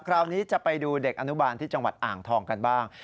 คราวนี้จะไปดูเด็กอนุบาลที่จังหวัดอ่างทองกันบ้าง